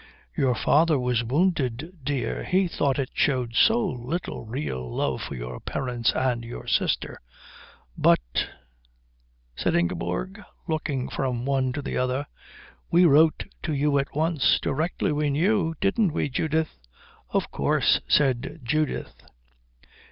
"Your father was wounded, dear. He thought it showed so little real love for your parents and your sister." "But " said Ingeborg, looking from one to the other. "We wrote to you at once directly we knew. Didn't we, Judith?" "Of course," said Judith.